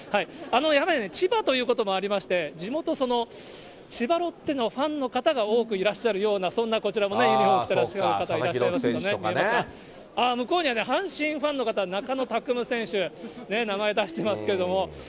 やはりね、千葉ということもありましてね、地元、千葉ロッテのファンの方が多くいらっしゃるような、そんなこちらもユニホーム着てらっしゃる方いらっしゃいますね、皆さん。ああ、向こうにはね、阪神ファンの方、中野拓夢選手、名前出してますけど。